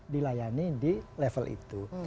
dilayani di level itu